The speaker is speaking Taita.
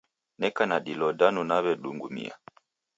Neka na dilo danu nawedungumia